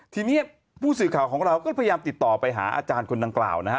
ทีนี้ผู้สื่อข่าวของเราก็พยายามติดต่อไปหาอาจารย์คนดังกล่าวนะฮะ